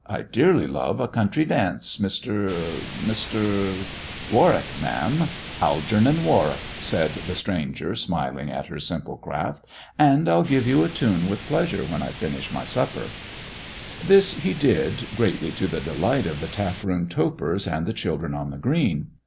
I dearly love a country dance, Mr. — Mr. "" Warwick, ma'am. Algernon Warwick," said the stranger, smiling at her simple craft, " and I'll give you a tune with pleasure when I finish my supper." This he did, greatly to the delight of the taproom topers and the children on the green.